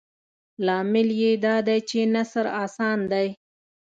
لامل یې دادی چې نثر اسان دی.